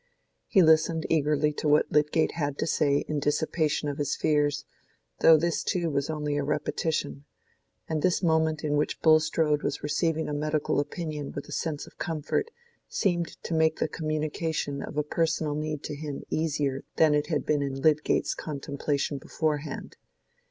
He listened eagerly to what Lydgate had to say in dissipation of his fears, though this too was only repetition; and this moment in which Bulstrode was receiving a medical opinion with a sense of comfort, seemed to make the communication of a personal need to him easier than it had been in Lydgate's contemplation beforehand.